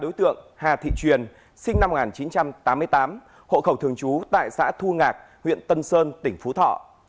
đối tượng hà thị truyền sinh năm một nghìn chín trăm tám mươi tám hộ khẩu thường trú tại xã thu ngạc huyện tân sơn tỉnh phú thọ